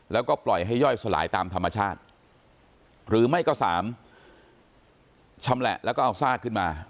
แล้วก็ปล่อยให้ย่อยสลายตามธรรมชาติหรือไม่ก็สามชำแหละแล้วก็เอาซากขึ้นมา